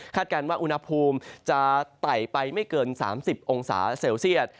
การว่าอุณหภูมิจะไต่ไปไม่เกิน๓๐องศาเซลเซียต